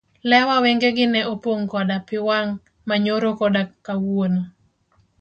Lewa wengegi ne opong' koda pii wang' ma nyoro koda kawuono.